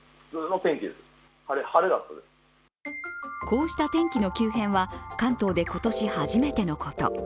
こうした天気の急変は関東で今年初めてのこと。